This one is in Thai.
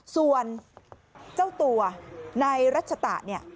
ส่วนเจ้าตัวนายราชตะ